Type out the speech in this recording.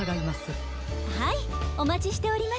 はいおまちしております。